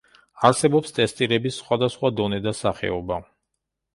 არსებობს ტესტირების სხვადასხვა დონე და სახეობა.